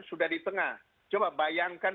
sudah di tengah coba bayangkan